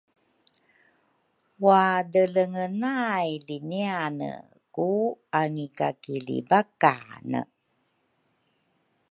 wadelengenay liniane ku angikakilibakane.